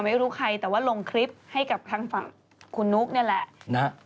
ไม่รู้ใครแต่ว่าลงคลิปให้กับทางฝั่งคุณนุ๊กนี่แหละนะ